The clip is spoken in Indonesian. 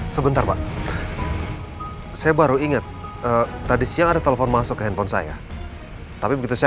sebentar pak saya baru ingat tadi siang ada telepon masuk ke handphone saya tapi begitu saya